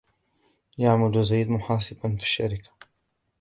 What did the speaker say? يعمل زيد محاسبًا في الشركة